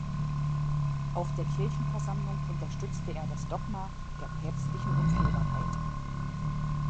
Auf der Kirchenversammlung unterstützte er das Dogma der Päpstlichen Unfehlbarkeit.